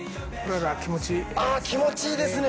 ああ気持ちいいですね